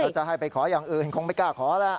ถ้าจะให้ไปขออย่างอื่นคงไม่กล้าขอแล้ว